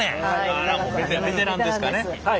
あらもうベテランですかね。